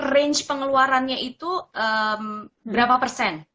range pengeluarannya itu berapa persen